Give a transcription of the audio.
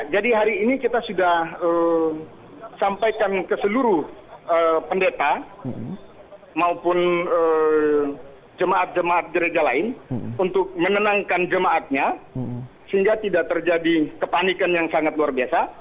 jadi hari ini kita sudah sampaikan ke seluruh pendeta maupun jemaat jemaat gereja lain untuk menenangkan jemaatnya sehingga tidak terjadi kepanikan yang sangat luar biasa